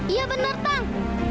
iya bener tang